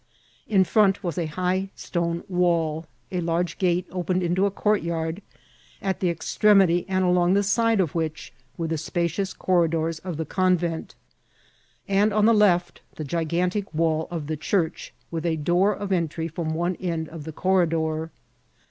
In front was a high stone wall; a large gate opened into a courtyard, at the extremity and along the side of which were the spacious corridors of the convent, and on the left the gigantic wall of the church, with a door of entry from one end of the corri* dor.